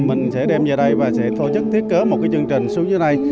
mình sẽ đem về đây và sẽ tổ chức thiết kế một cái chương trình xuống dưới đây